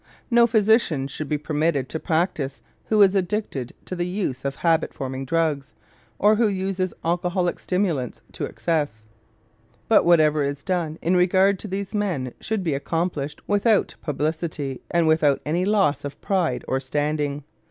No physician should be permitted to practise who is addicted to the use of habit forming drugs or who uses alcoholic stimulants to excess; but whatever is done in regard to these men should be accomplished without publicity and without any loss of pride or standing.